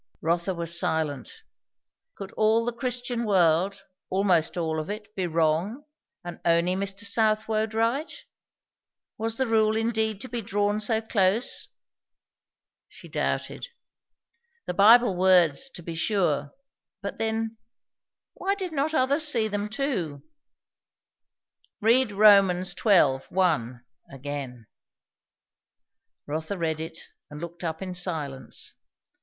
Rotha was silent. Could all the Christian world, almost all of it, be wrong, and only Mr. Southwode right? Was the rule indeed to be drawn so close? She doubted. The Bible words, to be sure, but then, why did not others see them too? "Read Rom. xii. 1, again." Rotha read it, and looked up in silence.